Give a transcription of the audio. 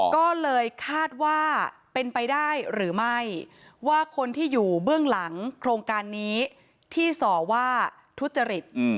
ก็เลยคาดว่าเป็นไปได้หรือไม่ว่าคนที่อยู่เบื้องหลังโครงการนี้ที่ส่อว่าทุจริต